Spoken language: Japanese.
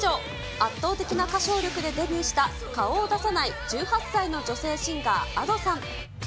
圧倒的な歌唱力でデビューした、顔を出さない１８歳の女性シンガー、ＡＤｏさん。